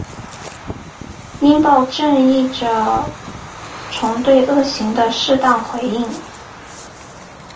应报正义着重对恶行的适当回应。